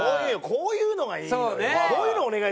こういうのがいいのよ。